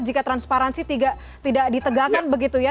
jika transparansi tidak ditegakkan begitu ya